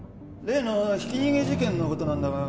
例のひき逃げ事件の事なんだが。